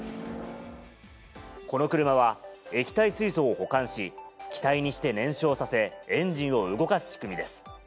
この車は液体水素を保管し、気体にして燃焼させ、エンジンを動かす仕組みです。